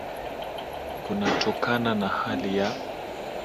kunatokana na hali ya